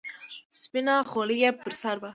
سپينه خولۍ يې پر سر وه.